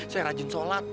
saya rajin solat